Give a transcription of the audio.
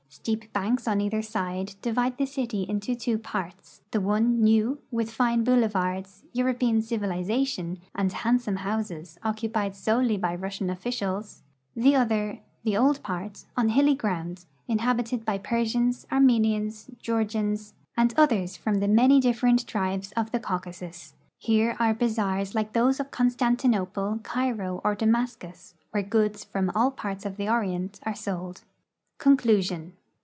Steep banks on either side divide the city into two parts, the one new, with fine boulevards, European civilization, and handsome houses, occupied solely by Russian officials ; the other, the old part, on hilly ground, inhabited by Persians, Armenians, Geor gians, and others from the many different tribes of the Caucasus. Here are bazaars like those of Constantinople, Cairo, or Damas cus, where goods from all parts of the Orient are sold. CONCLtSION.